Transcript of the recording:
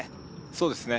そうですね